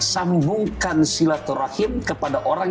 sambungkan silaturahim kepada orang